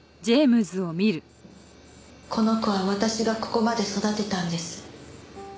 この子は私がここまで育てたんです。